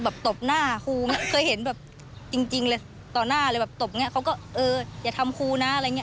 แบบตบหน้าครูเคยเห็นแบบจริงเลยต่อหน้าเลยแบบตบเขาก็เอออย่าทำครูนะอะไรอย่างนี้